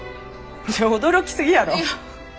いや驚きすぎやろ。